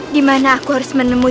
dimana aku harus menemui